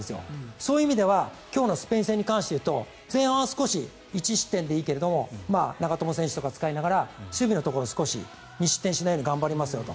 そういう意味では今日のスペイン戦に関して言うと前半は少し１失点でいいけれども長友選手とか使いながら守備のところを２失点しないように頑張りますよと。